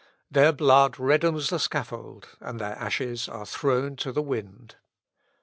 Their blood reddens the scaffold, and their ashes are thrown to the wind.